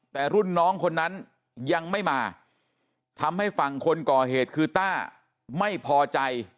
แต่รุ่นน้องคนนั้นยังไม่มาทำให้ฝั่งคนก่อเหตุคือต้าไม่พอใจ